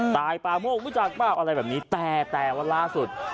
ตายปลาโมกรู้จักเปล่าอะไรแบบนี้แต่แต่วันล่าสุด